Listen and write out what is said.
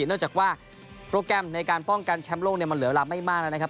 เนื่องจากว่าโปรแกรมในการป้องกันแชมป์โลกมันเหลือเวลาไม่มากแล้วนะครับ